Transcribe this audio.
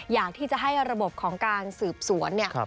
อยากที่จะให้ระบบของการสืบสวนเนี่ย